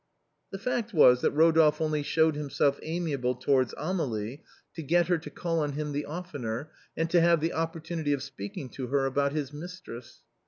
The fact was that Rodolphe only showed himself amia ble towards Amélie to get her to call on him the oftener, and to have the opportunity of speaking to her about his mistress.